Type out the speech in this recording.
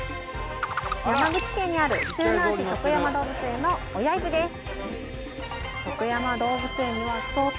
山口県にある周南市徳山動物園の小柳津です